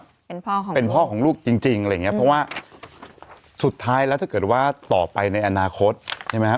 เป็นพ่อของเป็นพ่อของลูกจริงจริงอะไรอย่างเงี้ยเพราะว่าสุดท้ายแล้วถ้าเกิดว่าต่อไปในอนาคตใช่ไหมฮะ